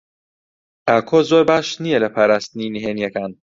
ئاکۆ زۆر باش نییە لە پاراستنی نهێنییەکان.